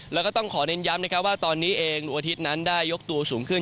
แล้วก็ต้องขอเน้นย้ำนะครับว่าตอนนี้เองดวงอาทิตย์นั้นได้ยกตัวสูงขึ้น